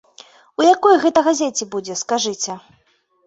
У якой гэта газеце будзе, скажыце?